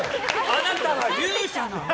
あなたは勇者なの！